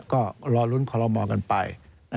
ก็รอลุ้นคอลโมกันไป